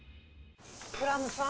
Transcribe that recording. クラムさん。